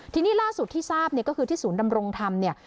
ทีนี้ล่าสุดที่ทราบเนี่ยก็คือที่ศูนย์ดำรงธรรมเนี่ย